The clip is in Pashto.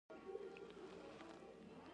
د انګلیسي ژبې زده کړه مهمه ده ځکه چې فیشن پوهوي.